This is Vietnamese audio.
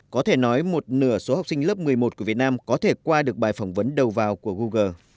có thể nói một nửa số học sinh lớp một mươi một của việt nam có thể qua được bài phỏng vấn đầu vào của google